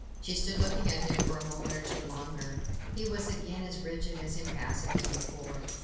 She stood looking at him for a moment or two longer. He was again as rigid, as impassive, as before.